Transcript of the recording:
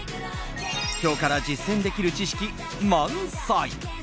今日から実践できる知識満載！